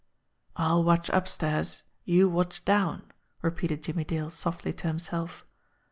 "I'll watch upstairs, you watch down," repeated Jimmie Dale softly to himself.